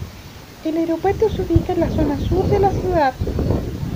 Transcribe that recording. El aeropuerto se ubica en la zona sur de la ciudad.